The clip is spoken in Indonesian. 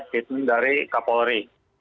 statement dari kapolri